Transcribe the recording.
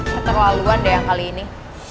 keterlaluan deh yang kali ini